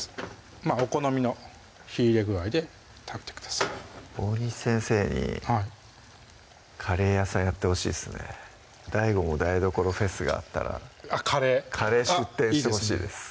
お好みの火入れ具合で炒めてください大西先生にカレー屋さんやってほしいですねＤＡＩＧＯも台所フェスがあったらあっカレーカレー出店してほしいです